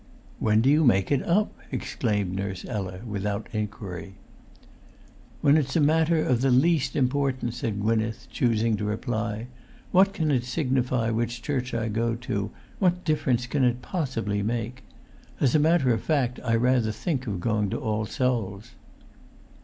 "When do you make it up!" exclaimed Nurse Ella without inquiry. "When it's a matter of the least importance," said Gwynneth, choosing to reply. "What can it signify which church I go to, what difference can it possibly make? As a matter of fact I rather think of going to All Souls'."